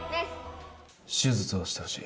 手術をしてほしい。